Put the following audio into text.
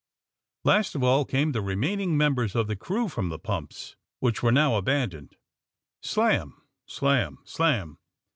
Last of all, came the remaining members of the crew from the pmnps, which were now abandoned. Slam! slam! slam!